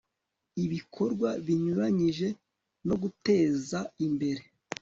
ibikorwa binyuranyije no guteza imbere